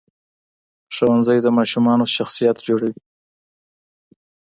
ښوونځی د ماشومانو شخصیت جوړوي.